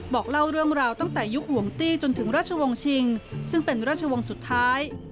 บอกเล่าเรื่องราวตั้งแต่ยุคหลวงตี้จนถึงราชวงศ์ชิงซึ่งเป็นราชวงศ์สุดท้าย